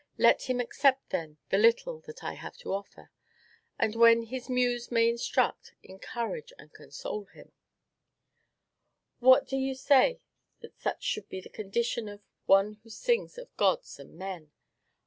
Let him accept, then, the little that I have to offer; and then his muse may instruct, encourage, and console me. "What! do you say that such should be the condition of one who sings of gods and men?